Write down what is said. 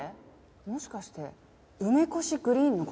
もしかして梅越グリーンの事？